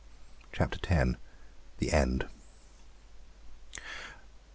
CHAPTER X. THE END.